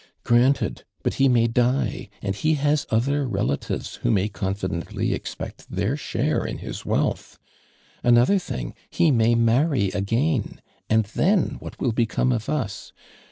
"(irantod, but ho may die, and ho ha.s otlKir relatives who may confidently expect their share in his wealth. Another thing, J»c, may many nf;ain, and then what will becomo of us?